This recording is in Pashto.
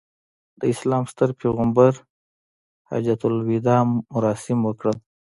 د اسلام ستر پیغمبر حجته الوداع مراسم وکړل.